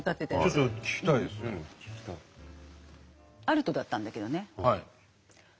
アルトだったんだけどね。